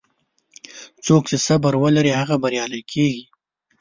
څوک چې صبر ولري، هغه بریالی کېږي.